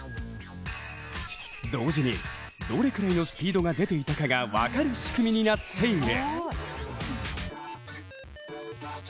同時にどれくらいのスピードが出ていたかが分かる仕組みになっている。